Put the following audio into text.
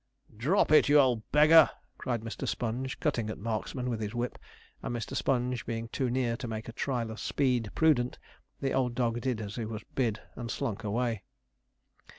'Drop it, you old beggar!' cried Mr. Sponge, cutting at Marksman with his whip, and Mr. Sponge being too near to make a trial of speed prudent, the old dog did as he was bid, and slunk away.